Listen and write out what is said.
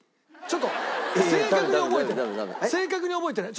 俺正確に覚えてない。